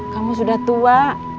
kamu sudah tua